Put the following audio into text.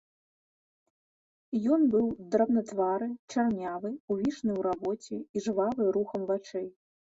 Ён быў драбнатвары, чарнявы, увішны ў рабоце і жвавы рухам вачэй.